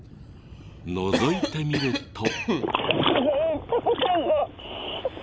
のぞいてみると。